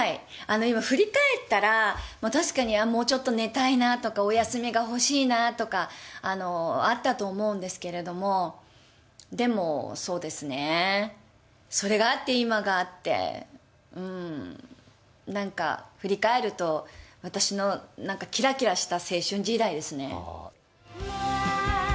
今振り返ったら、確かにもうちょっと寝たいなとか、お休みが欲しいなとかあったと思うんですけれども、でも、そうですね、それがあって今があって、なんか振り返ると、私のなんかきらきらした青春時代ですね。